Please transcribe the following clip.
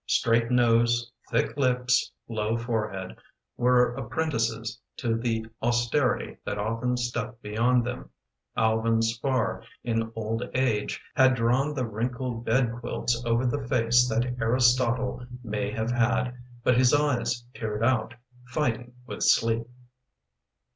Straight nose, thick lips, low forehead Were apprentices to the austerity That often stepped beyond them. Alvin Spar in old age Had drawn the wrinkled bed quilts Over the face that Aristotle May have had, but his eyes peered out, Fighting with sleep.